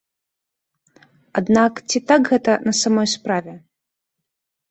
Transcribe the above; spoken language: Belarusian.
Аднак ці так гэта на самой справе?